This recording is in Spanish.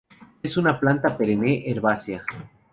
Es una planta perenne herbácea.